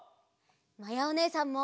まやおねえさんも！